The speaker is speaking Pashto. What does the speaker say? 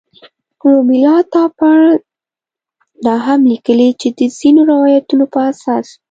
رومیلا تاپړ دا هم لیکلي چې د ځینو روایتونو په اساس.